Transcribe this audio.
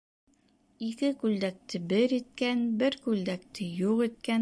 Ике күлдәкте бер иткән, бер күлдәкте юҡ иткән.